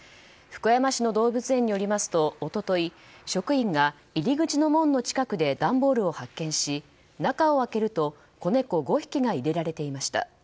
福山市の動物園によりますと一昨日、職員が入り口の門の近くで段ボールを発見し中を開けると子猫５匹が入れられていました。